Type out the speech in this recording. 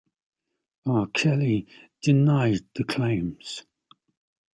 R. Kelly denied the claims.